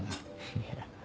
いや。